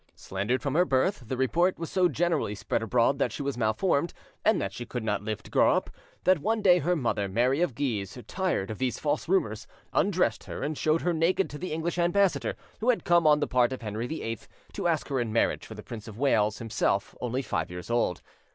Slandered from her birth, the report was so generally spread abroad that she was malformed, and that she could not live to grow up, that one day her mother, Mary of Guise, tired of these false rumours, undressed her and showed her naked to the English ambassador, who had come, on the part of Henry VIII, to ask her in marriage for the Prince of Wales, himself only five years old.